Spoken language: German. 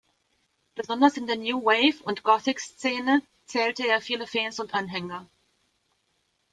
Besonders in der New-Wave- und Gothic-Szene zählte er viele Fans und Anhänger.